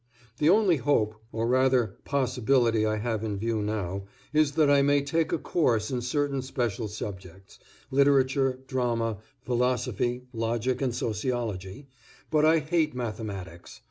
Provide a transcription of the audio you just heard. The only hope, or rather possibility I have in view now, is that I may take a course in certain special subjects literature, drama, philosophy, logic and sociology, but I hate mathematics.